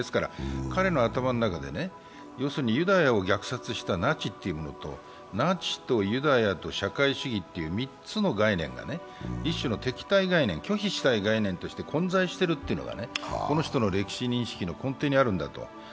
彼の頭の中でユダヤを虐殺したナチというものとナチとユダヤと社会主義という３つの概念がね、一種の敵対概念、拒否したい概念として混在しているのが、この人の歴史認識の根底にあるんだと。